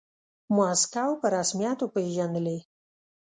موسکو په رسميت وپیژندلې.